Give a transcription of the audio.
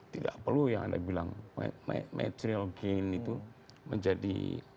tidak perlu yang anda bilang material gain itu menjadi